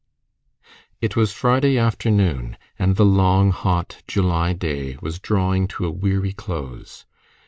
It was Friday afternoon, and the long, hot July day was drawing to a weary close.